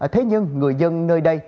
thế nhưng người dân nơi đây